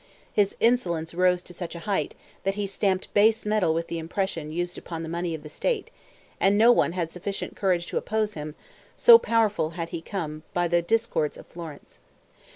His insolence rose to such a height, that he stamped base metal with the impression used upon the money of the state, and no one had sufficient courage to oppose him, so powerful had he become by the discords of Florence.